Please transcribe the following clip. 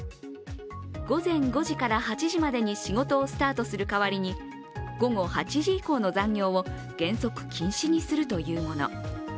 午前５時から８時までに仕事をスタートする代わりに午後８時以降の残業を原則禁止にするというもの。